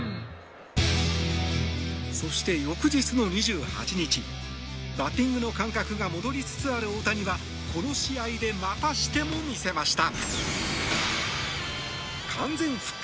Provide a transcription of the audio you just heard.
そして、翌日の２８日バッティングの感覚が戻りつつある大谷はこの試合でまたしても見せました。